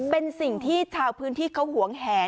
เป็นสิ่งที่ชาวพื้นที่เขาหวงแหน